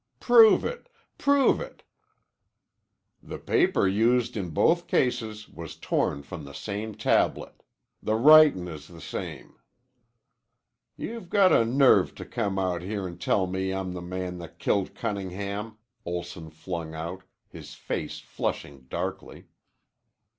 "Prove it! Prove it!" "The paper used in both cases was torn from the same tablet. The writin' is the same." "You've got a nerve to come out here an' tell me I'm the man that killed Cunningham," Olson flung out, his face flushing darkly.